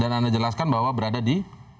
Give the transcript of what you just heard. dan anda jelaskan bahwa berada di